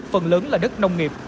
phần lớn là đất nông nghiệp